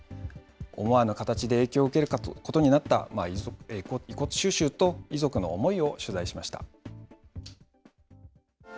思わぬ形で影響を受けることになった遺骨収集と遺族の思いを取材しました。